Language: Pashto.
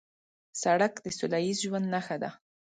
سړک د سولهییز ژوند نښه ده.